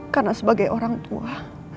karena sebagai orang tua